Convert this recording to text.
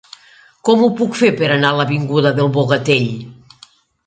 Com ho puc fer per anar a l'avinguda del Bogatell?